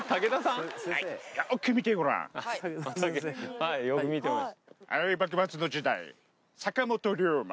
はいよく見てます。